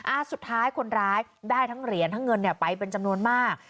สุดท้ายคนร้ายได้ทั้งเหรียญทั้งเงินเนี่ยไปเป็นจำนวนมาก